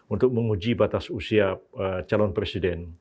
untuk menguji batas usia calon presiden